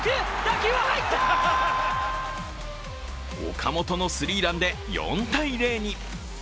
岡本のスリーランで４−０に。